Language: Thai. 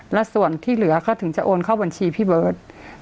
และส่วนที่เหลือเขาถึงจะโอนเข้าบัญชีพี่เบิร์ต